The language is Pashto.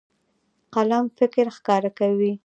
قلم فکر ښکاره کوي.